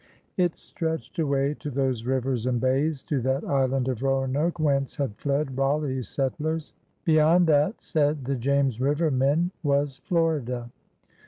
It stretched away to those rivers and bays, to that island of Roanoke, whence had fled Raleigh's settlers. Beyond that, said the James River men, was Florida.